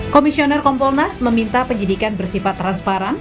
komisioner kompolnas meminta penyidikan bersifat transparan